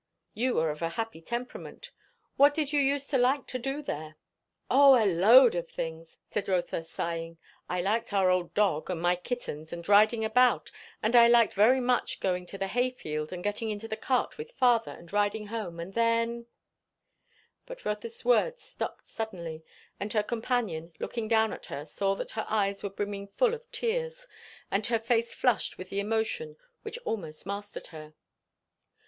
"You are of a happy temperament. What did you use to like to do there?" "O a load of things!" said Rotha sighing. "I liked our old dog, and my kittens; and riding about; and I liked very much going to the hay field and getting into the cart with father and riding home. And then " But Rotha's words stopped suddenly, and her companion looking down at her saw that her eyes were brimming full of tears, and her face flushed with the emotion which almost mastered her.